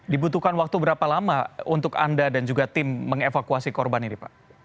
dibutuhkan waktu berapa lama untuk anda dan juga tim mengevakuasi